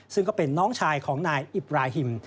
ซึ่งก็เป็นน้องชายของนายอิบราฮิม